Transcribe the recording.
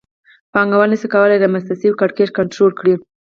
پانګوال نشي کولای رامنځته شوی کړکېچ کنټرول کړي